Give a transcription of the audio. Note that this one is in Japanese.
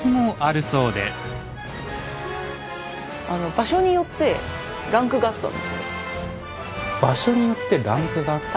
場所によってランクがあった？